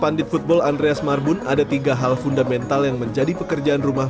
pandit football andreas marbun ada tiga hal fundamental yang menjadi pekerjaan rumah